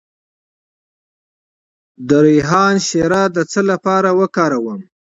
د ریحان شیره د څه لپاره وکاروم؟